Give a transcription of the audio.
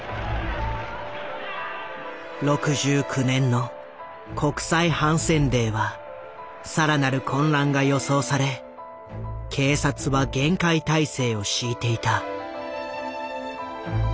６９年の国際反戦デーは更なる混乱が予想され警察は厳戒態勢を敷いていた。